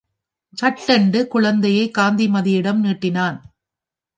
சட்டென்று குழந்தையை காந்திமதியிடம் நீட்டினான்.